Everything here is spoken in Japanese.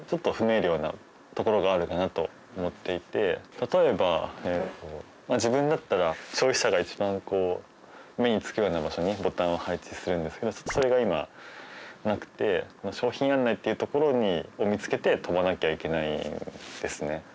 例えば自分だったら消費者が一番目につくような場所にボタンを配置するんですけどそれが今なくて「商品案内」っていう所を見つけて飛ばなきゃいけないんですね。